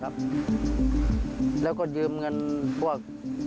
ขายที่แปลงแล้วก็ยืมเงินพวก